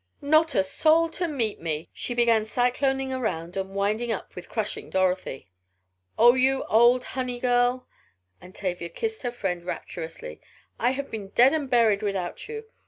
"Not a soul to meet me!" she began cycloning around and winding up with crushing Dorothy. "Oh, you old honey girl!" and Tavia kissed her friend rapturously. "I have been dead and buried without you.